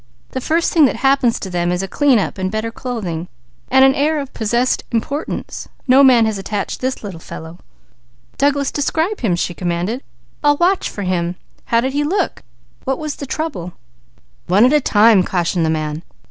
"The first thing that happens to them is a clean up and better clothing; then an air of possessed importance. No man has attached this one." "Douglas, describe him," she commanded. "I'll watch for him. How did he look? What was the trouble?" "One at a time," cautioned the man.